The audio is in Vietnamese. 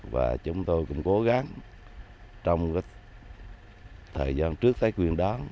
và chúng tôi cũng cố gắng trong thời gian trước tới quyền đoán